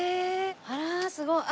あらすごい。